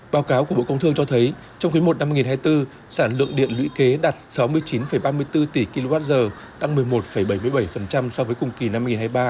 báo cáo của bộ công thương cho thấy trong quý i năm hai nghìn hai mươi bốn sản lượng điện lũy kế đạt sáu mươi chín ba mươi bốn tỷ kwh tăng một mươi một bảy mươi bảy so với cùng kỳ năm hai nghìn hai mươi ba